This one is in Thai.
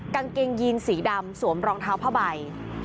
กางเกงยีนสีดำสวมรองเท้าผ้าใบ